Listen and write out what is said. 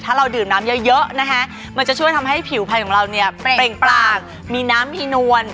ถ้าเราดื่มน้ำเยอะมันจะช่วยทำให้ผิวภัณฑ์ของเราเปร่งปลากมีน้ำมีนวล